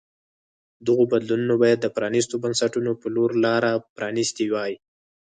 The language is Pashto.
دغو بدلونونو باید د پرانیستو بنسټونو په لور لار پرانیستې وای.